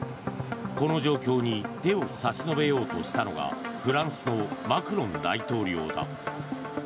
この状況に手を差し伸べようとしたのがフランスのマクロン大統領だ。